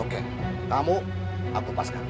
oke kamu aku lepaskan